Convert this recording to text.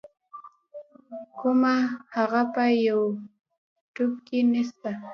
کوومه هغه په یو يټیوب کی نسته.